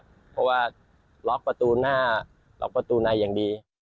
เพราะว่าล็อกประตูหน้าล็อกประตูในอย่างดี